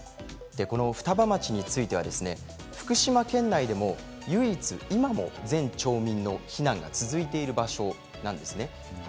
双葉町については福島県内でも唯一今も全町民の避難が続いている場所なんです。